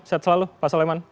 sehat selalu pak soleman